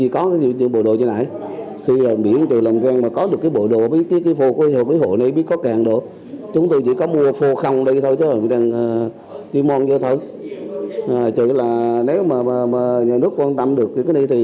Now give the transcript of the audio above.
cảm ơn các bạn đã theo dõi